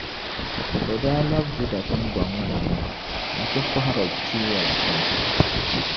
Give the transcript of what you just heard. bɛ daa labi Juda tiŋgbɔŋ maa ni nti pɔhiri tiwala pam.